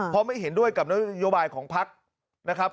เพราะไม่เห็นด้วยกับนโยบายของพักนะครับ